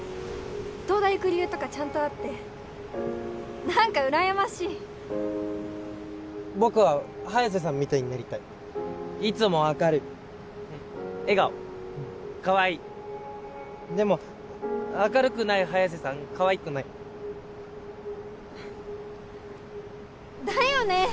東大行く理由とかちゃんとあって何かうらやましい僕は早瀬さんみたいになりたいいつも明るい笑顔かわいいでも明るくない早瀬さんかわいくないだよね！